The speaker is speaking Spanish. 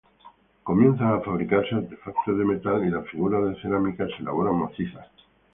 Comienzan a fabricarse artefactos de metal y las figuras de cerámica se elaboran macizas.